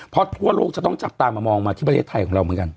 เพราะทั่วโลกจะต้องจับตามามองมาที่ประเทศไทยของเราเหมือนกัน